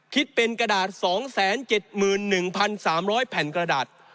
คิดเป็นกระดาษ๒๗๑๓๐๐แผ่นกระดาษ